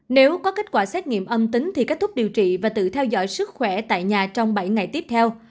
nếu có kết quả xét nghiệm âm tính thì kết thúc điều trị và tự theo dõi sức khỏe tại nhà trong bảy ngày tiếp theo